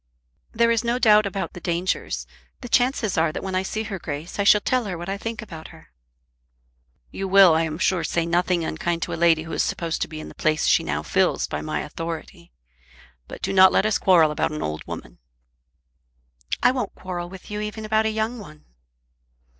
"There is no doubt about the dangers. The chances are that when I see her Grace I shall tell her what I think about her." "You will I am sure say nothing unkind to a lady who is supposed to be in the place she now fills by my authority. But do not let us quarrel about an old woman." "I won't quarrel with you even about a young one."